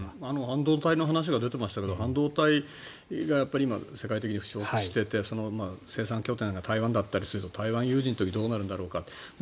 半導体の話が出てましたけど半導体がやっぱり今、世界的に不足していて生産拠点が台湾だったりすると台湾有事の時にどうなるんだろうか。